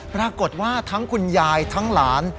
ปรากฏว่าทั้งคุณยายทั้งหลาน